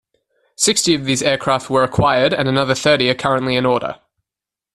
Sixty of these aircraft were acquired and another thirty are currently in order.